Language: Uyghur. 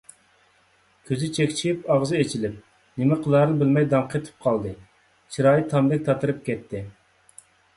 كۆزى چەكچىيىپ، ئاغزى ئېچىلىپ، نېمە قىلارىنى بىلمەي داڭقېتىپ قالدى، چىرايى تامدەك تاتىرىپ كەتتى.